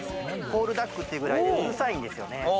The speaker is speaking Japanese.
コールダックっていうぐらいだから、うるさいんですよね。